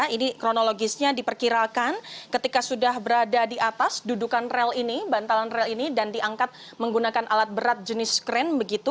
ini kronologisnya diperkirakan ketika sudah berada di atas dudukan rel ini bantalan rel ini dan diangkat menggunakan alat berat jenis kren begitu